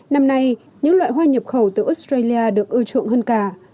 năm nay những loại hoa nhập khẩu từ australia được ưa chuộng hơn cả